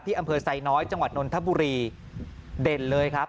อำเภอไซน้อยจังหวัดนนทบุรีเด่นเลยครับ